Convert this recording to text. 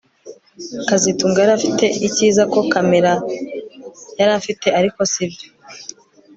kazitunga yari afite icyiza ko kamera Mariya yari afite ariko sibyo